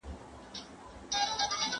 ماشوم نه غوښتل چې انا یوازې پرېږدي.